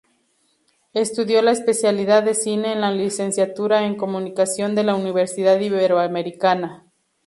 Estudió la especialidad de Cine en la Licenciatura en Comunicación de la Universidad Iberoamericana.